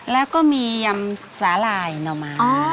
แล้วก็มียำสาหร่ายหน่อไม้